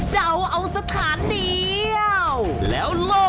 ถูกครับ